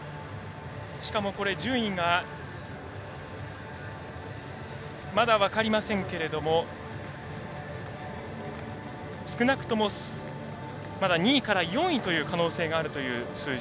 しかも順位がまだ分かりませんけれども少なくとも、２位から４位という可能性があるという数字。